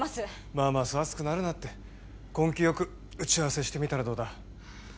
まあまあそう熱くなるなって根気よく打ち合わせしてみたらどうだ？